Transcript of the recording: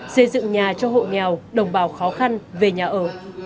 xây dựng nhà cho hộ nghèo đồng bào khó khăn về nhà ở